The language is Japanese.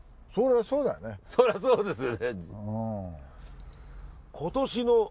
そりゃそうですよね。